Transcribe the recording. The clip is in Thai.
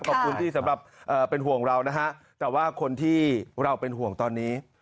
ขอบคุณสำหรับเป็นห่วงเราแต่คนที่เราเป็นห่วงตอนนี้